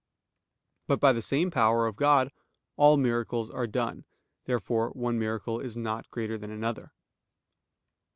But by the same power of God all miracles are done. Therefore one miracle is not greater than another.